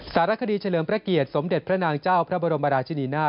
สารคดีเฉลิมพระเกียรติสมเด็จพระนางเจ้าพระบรมราชินีนาฏ